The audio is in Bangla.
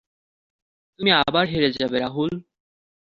তুমি আবার হেরে যাবে রাহুল।